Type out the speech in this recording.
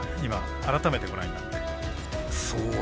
改めてご覧になって。